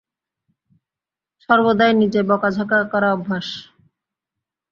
সর্বদাই নিজে বকা-ঝকা করা অভ্যাস।